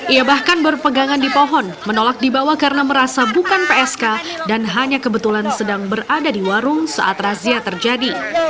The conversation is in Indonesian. ia bahkan berpegangan di pohon menolak dibawa karena merasa bukan psk dan hanya kebetulan sedang berada di warung saat razia terjadi